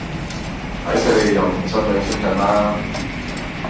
睇死你又同新囡傾緊啦